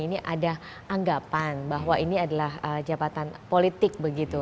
ini ada anggapan bahwa ini adalah jabatan politik begitu